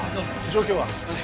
状況は？